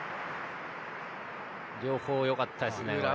両方、よかったですね。